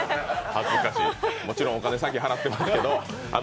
もちろん、お金は先に払ってますけど。